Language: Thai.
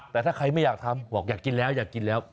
แต่ถ้าใครไม่อยากทำบอกอยากกินแล้วอยากกินแล้ว